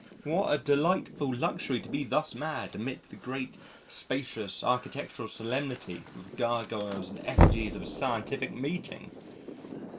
But what a delightful luxury to be thus mad amid the great, spacious, architectural solemnity with gargoyles and effigies of a scientific meeting!